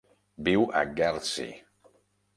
Viu a Guernsey.